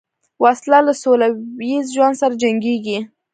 وسله له سولهییز ژوند سره جنګیږي